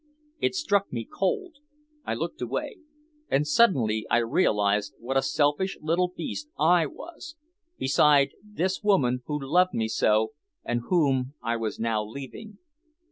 It struck me cold, I looked away and suddenly I realized what a selfish little beast I was, beside this woman who loved me so and whom I was now leaving.